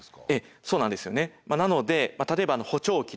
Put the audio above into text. そうなんですよね。